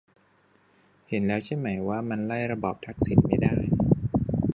เห็นแล้วใช่ไหมว่ามันไล่ระบอบทักษิณไม่ได้